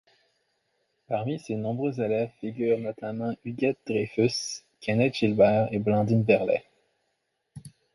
Parmi ses nombreux élèves figurent notamment Huguette Dreyfus, Kenneth Gilbert et Blandine Verlet.